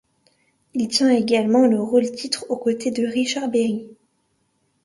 Il tient également le rôle-titre, aux côtés de Richard Berry.